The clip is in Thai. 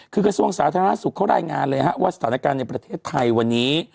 คือกระทรวงสาธารณสุขเขารายงานเลยฮะว่าสถานการณ์ในประเทศไทยวันนี้